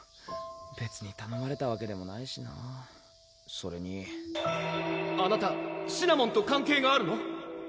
別にたのまれたわけでもないしなぁそれにあなたシナモンと関係があるの？